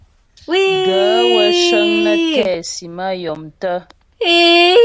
Gaə̂ wə́ cə́ŋ nə́ tɛ́ sim a yɔ̀mtə́.